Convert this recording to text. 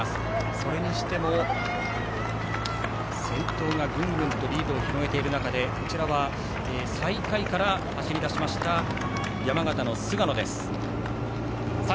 それにしても、先頭がグングンとリードを広げている中で最下位から走り出しました山形の菅野です。